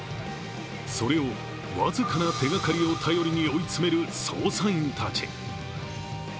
それを僅かな手がかりを頼りに追い詰める捜査員たち。